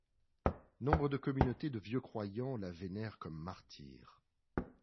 Nombre de communautés de vieux-croyants la vénèrent comme martyre.